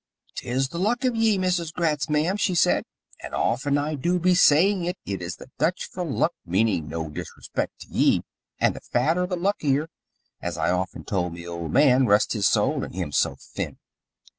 "'Tis the luck of ye, Mrs. Gratz, ma'am," she said, "and often I do be sayin' it is the Dutch for luck, meanin' no disrespect to ye, and the fatter the luckier, as I often told me old man, rest his soul, and him so thin!